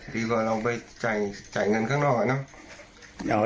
ดีกว่าเราไปจ่ายเงินข้างนอกอะเนาะ